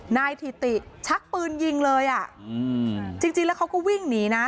นายถิติชักปืนยิงเลยอ่ะอืมจริงจริงแล้วเขาก็วิ่งหนีนะ